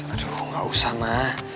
aduh gak usah ma